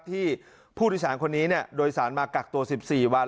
ที่ผู้โดยสารคนนี้โดยสารมากักตัว๑๔วัน